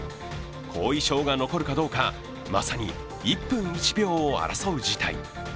後遺症が残るかどうか、まさに１分１秒を争う事態に。